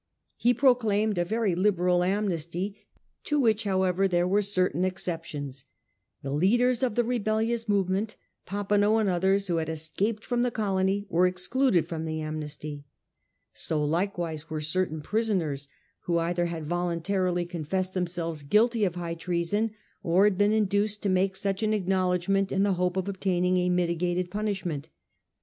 He proclaimed a very liberal amnesty, to which, however, there were certain exceptions. The leaders of the rebellious movement, Papineau and others, who had escaped from the colony, were excluded from the amnesty. So likewise were cer tain prisoners who either had voluntarily confessed themselves guilty of high treason, or had been induced to make such an acknowledgment in the hope of obtaining a mitigated punishment.